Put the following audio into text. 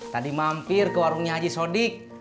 tadi mampir ke warungnya haji sodik